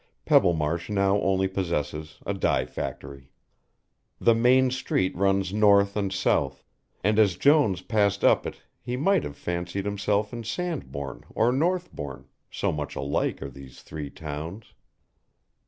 Pebblemarsh now only possesses a dye factory. The main street runs north and south, and as Jones passed up it he might have fancied himself in Sandbourne or Northbourne, so much alike are these three towns.